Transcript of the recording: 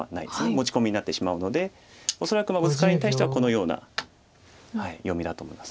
持ち込みになってしまうので恐らくブツカリに対してはこのような読みだと思います。